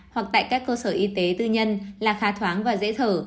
hoặc tại các cơ sở y tế tư nhân là khá thoáng và dễ thở